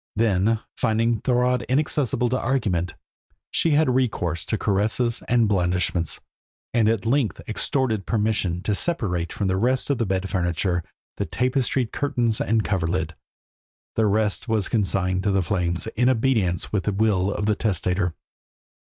Then, finding Thorodd inaccessible to argument, she had recourse to caresses and blandishments, and at length extorted permission to separate from the rest of the bed furniture the tapestried curtains and coverlid; the rest was consigned to the flames, in obedience to the will of the testator.